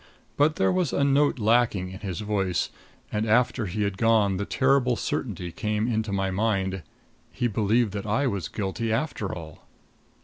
But there was a note lacking in his voice, and after he was gone the terrible certainty came into my mind he believed that I was guilty after all.